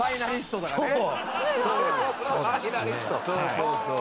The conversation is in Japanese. そうそうそう。